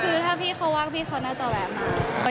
คือถ้าพี่เขาว่างพี่เขาน่าจะแวะมา